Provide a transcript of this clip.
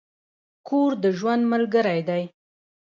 کور د ژوند ملګری دی.